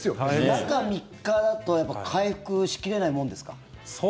中３日だと回復しきれないもんですか？